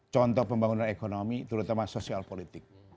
contoh pembangunan ekonomi terutama sosial politik